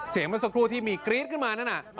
เสียงเป็นสักครู่ที่มีกรี๊ดขึ้นมานะน่ะ